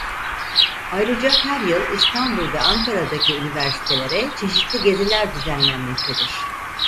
Ayrıca her yıl İstanbul ve Ankara'daki üniversitelere çeşitli geziler düzenlenmektedir.